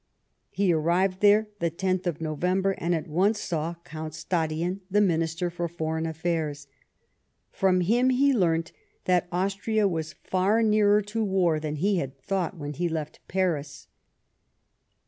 He arrived there the 10th November,* and at once saw Count Stadion, the Minister for Foreign Affairs. From him he learnt that Austria was far nearer to war than he had thought when he left Paris.